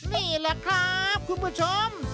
นี่แหละครับคุณผู้ชม